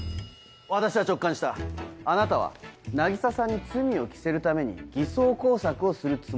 私は直感したあなたは凪沙さんに罪を着せるために偽装工作をするつもりだと。